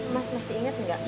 mas masih inget gak